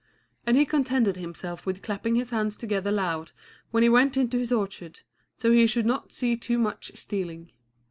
And he contented himself with clapping his hands together loud when he went into his orchard, so he should not see too much stealing.